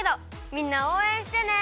みんなおうえんしてね！